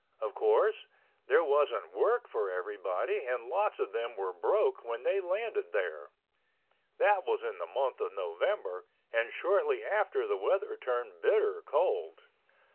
Of course, there wasn't work for everybody and lots of them were broke when they landed there—that was in the month of November and shortly after the weather turned bitter cold.